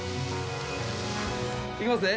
いきますね。